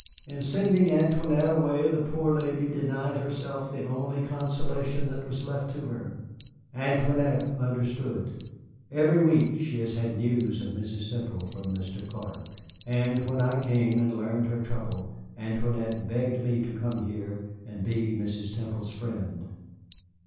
In sending Antoinette away the poor lady denied herself the only consolation that was left to her. Antoinette understood. Every week she has had news of Mrs. Temple from Mr. Clark. And when I came and learned her trouble, Antoinette begged me to come here and be Mrs. Temple's friend.